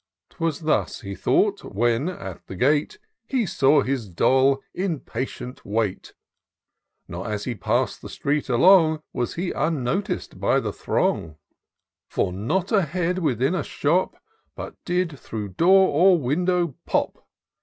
'Twas thus he thought, when, at the gate. He saw his Doll impatient wait ; Nor, as he pass'd the street along. Was he unnotic'd by the throng ; For not a head within a shop But did through door or window pop.